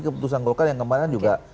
keputusan golkar yang kemarin juga